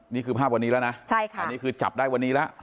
นี่คือภาพวันนี้แล้วนะใช่ค่ะอันนี้คือจับได้วันนี้แล้ว